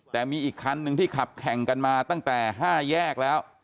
แต่มีอีกคันหนึ่งที่ขับแข่งกันมาตั้งแต่๕แยกแล้ว